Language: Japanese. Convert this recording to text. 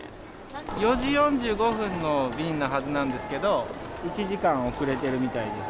４時４５分の便のはずなんですけど、１時間遅れてるみたいです。